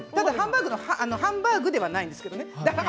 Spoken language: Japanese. ハンバーグではないんですけれどもね。